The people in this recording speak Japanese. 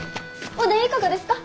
おでんいかがですか？